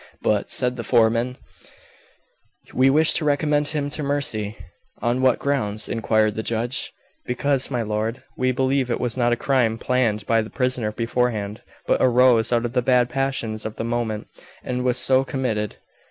"But," said the foreman, "we wish to recommend him to mercy." "On what grounds?" inquired the judge. "Because, my lord, we believe it was not a crime planned by the prisoner beforehand, but arose out of the bad passions of the moment, and was so committed."